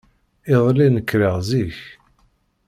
Iḍelli, nekreɣ zik.